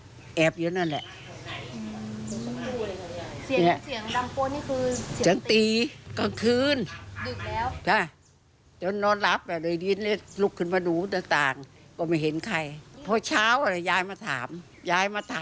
แปลว่าที่ผ่านมาคุณยายก็ได้ยินเสียง